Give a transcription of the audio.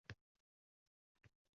To’la deb yoqamdan ushlab olsalar